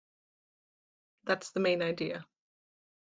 That's the main idea.